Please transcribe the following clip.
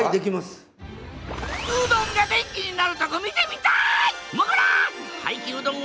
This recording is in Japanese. うどんが電気になるとこ見てみたい！